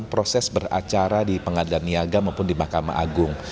proses beracara di pengadilan niaga maupun di mahkamah agung